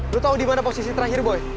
lo tau di mana posisi terakhir boy